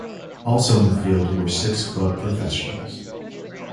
Also in the field were six club professionals.